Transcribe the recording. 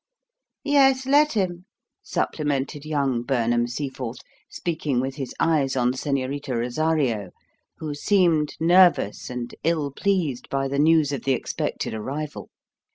"Yes, let him," supplemented young Burnham Seaforth, speaking with his eyes on Señorita Rosario, who seemed nervous and ill pleased by the news of the expected arrival.